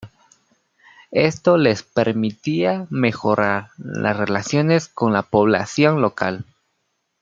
Esto les permitía mejorar las relaciones con la población local.